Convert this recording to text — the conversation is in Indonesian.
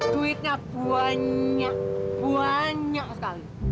duitnya buanya buanya sekali